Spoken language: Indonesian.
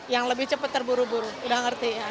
yang lebih cepat terburu buru udah ngerti